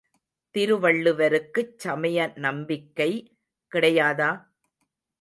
திருவள்ளுவருக்குச் சமய நம்பிக்கை கிடையாதா?